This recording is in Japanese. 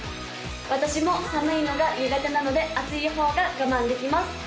私も寒いのが苦手なので暑い方が我慢できます